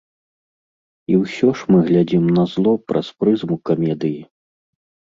І ўсе ж мы глядзім на зло праз прызму камедыі.